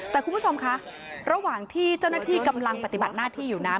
แต่คุณผู้ชมคะระหว่างที่เจ้าหน้าที่กำลังปฏิบัติหน้าที่อยู่นั้น